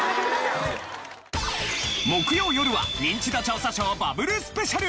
木曜よるは『ニンチド調査ショー』バブルスペシャル。